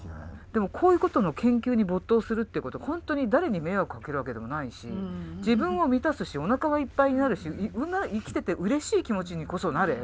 でもこういうことの研究に没頭するってことほんとに誰に迷惑をかけるわけでもないし自分を満たすしおなかはいっぱいになるし生きててうれしい気持ちにこそなれ。